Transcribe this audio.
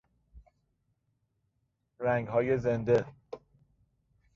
رنگهای زنده